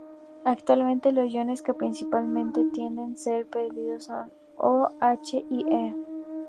Actualmente los iones que principalmente tienden a ser perdidos son O, H y He.